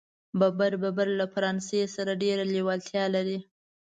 بربر له فرانسې سره ډېره لېوالتیا لري.